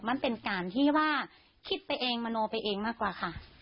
มันเป็นการที่ว่าคิดไปเองมโนไปเองมากกว่าค่ะ